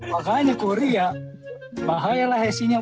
makanya korea bahayalah hesinya